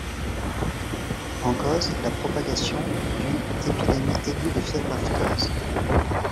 En cause, la propagation du épidémie aiguë de fièvre aphteuse.